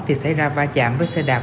thì xảy ra va chạm với xe đạp